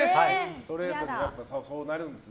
ストレートになるんですね。